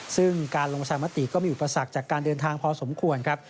ซึ่งการลงประชามติก็มีอุปสรรคจากการเดินทางพอสมควรครับ